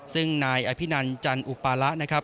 ซึ่งนายอภินัลจันทร์อุปาระ